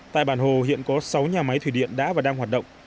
tại bản hồ hiện có sáu nhà máy thủy điện đã và đang hoạt động